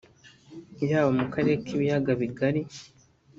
yaba mu karere k’ibiyaga bigari